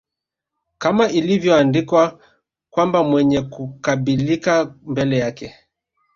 Kama ilivyoandikwa kwamba Mwenye kukubalika mbele yake